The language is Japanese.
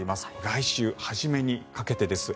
来週初めにかけてです。